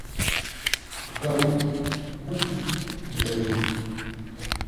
Ghou wə́ ghíʼ ndəʉ lə.